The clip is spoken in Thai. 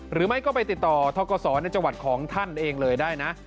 หรือไม่ก็ไปติดต่อทกศในจังหวัดของท่านเองเลยได้นะ